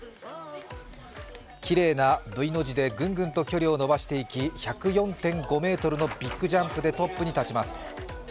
きれいなＶの字でぐんぐんと距離を延ばしていき１０４．５ｍのビッグジャンプでトップに立ちます。